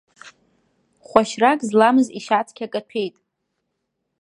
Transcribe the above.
Хәашьрак зламыз ишьацқьа каҭәеит.